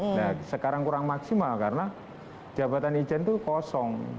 nah sekarang kurang maksimal karena jabatan ijen itu kosong